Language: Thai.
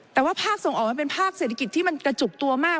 แต่ว่าภาคส่งออกมันเป็นภาคเศรษฐกิจที่มันกระจุกตัวมาก